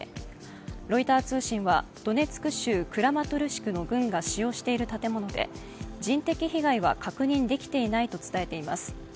ロイター通信は、ドネツク州クラマトルシクの軍が使用している建物で人的被害は確認できていないと伝えています。